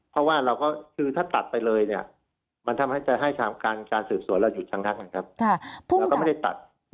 เพราะว่าถ้าตัดไปเลยเนี่ยมันจะให้การสื่อส่วนเราหยุดทั้งทั้งครับ